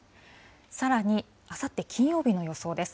さらにあさって金曜日の予想です。